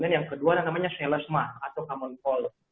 yang kedua yang namanya selesma atau common cold